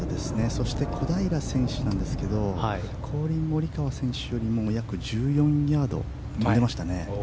そして小平選手コリン・モリカワ選手よりも約１４ヤード飛んでいましたね。